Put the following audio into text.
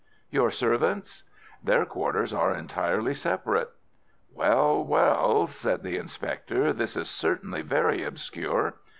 "Your servants?" "Their quarters are entirely separate." "Well, well," said the inspector, "this is certainly very obscure.